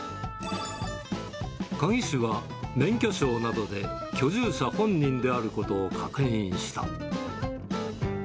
鍵師は免許証などで居住者本人であることを確認した。